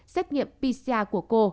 xét nghiệm pcr của cô